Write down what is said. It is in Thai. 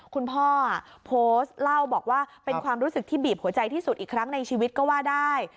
คุณพ่อโพสต์เล่าบอกว่าเป็นความรู้สึกที่บีบหัวใจที่สุดอีกครั้งในชีวิตก็ว่าได้